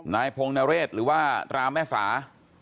พงนเรศหรือว่าราแม่สา